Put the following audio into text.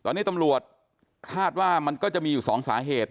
ตอนนี้ตำรวจคาดว่ามันก็จะมีอยู่๒สาเหตุ